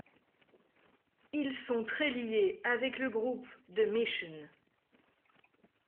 Ils sont très liés avec le groupe The Mission.